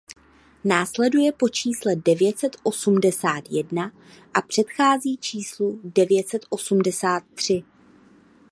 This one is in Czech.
Následuje po čísle devět set osmdesát jedna a předchází číslu devět set osmdesát tři.